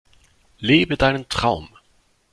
Lebe deinen Traum!